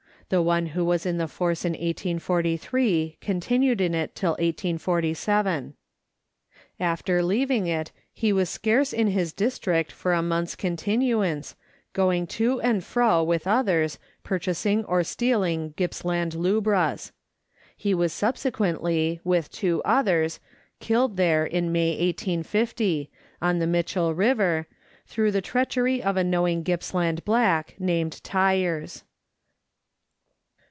The one who was in the force in 1843 continued in it till 1847. After leaving it, he was scarce in his district for a month's continuance, going to and fro with others purchasing or stealing Gippsland lubras ; he was subsequently, with two others, killed there in May 1850 on the Mitchell River through the treachery of a knowing Gippsland black named Tyers.